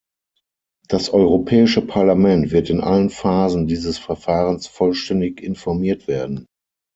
Das Europäische Parlament wird in allen Phasen dieses Verfahrens vollständig informiert werden.